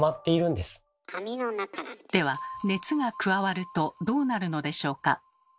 では熱が加わるとどうなるのでしょうか？